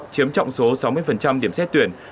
chiếm trọng số sáu mươi điểm xét tuyển